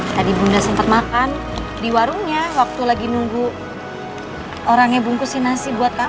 tadi bunda sempat makan di warungnya waktu lagi nunggu orangnya bungkusin nasi buat kamu